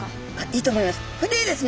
いいと思います。